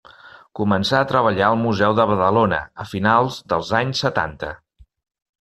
Començà a treballar al Museu de Badalona a finals dels anys setanta.